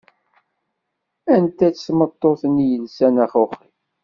Anta-tt tmeṭṭut-nni yelsan axuxi?